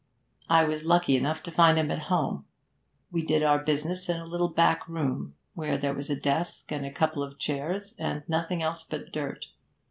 I was lucky enough to find him at home; we did our business in a little back room, where there was a desk and a couple of chairs, and nothing else but dirt.